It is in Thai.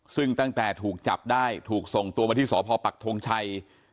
ซึ่งตั้งแต่ถูกจับได้ถูกส่งตัวมาที่สพปักทงชัย